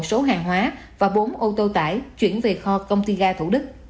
một số hàng hóa và bốn ô tô tải chuyển về kho công ty ga thủ đức